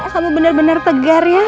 kamu bener bener tegar ya